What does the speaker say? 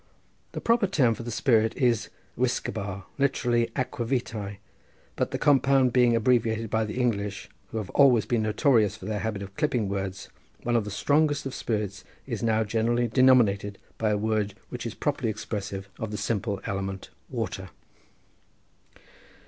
The proper term for the spirit is uisquebaugh, literally acqua vitæ, but the compound being abbreviated by the English, who have always been notorious for their habit of clipping words, one of the strongest of spirits is now generally denominated by a word which is properly expressive of the simple element water.